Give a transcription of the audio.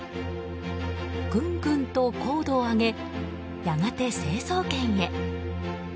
ぐんぐんと高度を上げやがて成層圏へ。